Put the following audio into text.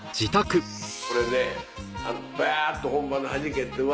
これねバ！っと本番ではじけてうわ！